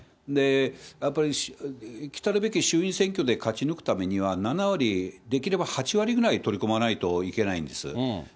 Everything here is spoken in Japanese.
やっぱり来たるべき衆院選挙で勝ち抜くためには７割、できれば８割ぐらい取り込まないといけないんです。